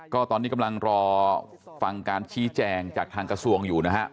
ก็ตอนนี้กำลังรอฟังการชี้แจงจากทางกระทรวงอยู่นะฮะ